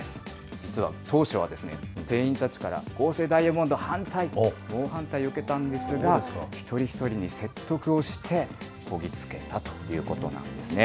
実は当初は、店員たちから合成ダイヤモンド反対！と、猛反対を受けたんですが、一人一人に説得をして、こぎ着けたということなんですね。